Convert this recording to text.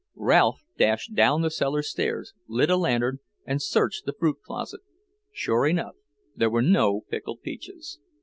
Ralph dashed down the cellar stairs, lit a lantern, and searched the fruit closet. Sure enough, there were no pickled peaches.